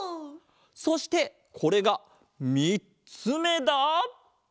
そしてこれがみっつめだ！